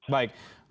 baik pak ketut